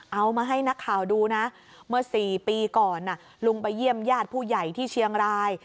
เอามาให้นักข่าวดูนะเมื่อ๔ปีก่อนลุงไปเยี่ยมญาติผู้ใหญ่ที่เชียงราย